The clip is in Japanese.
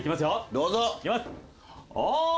どうぞ。